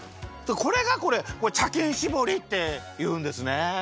これが茶きんしぼりっていうんですね。